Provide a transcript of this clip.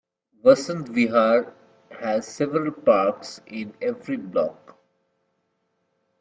Vasant Vihar has several parks in every block.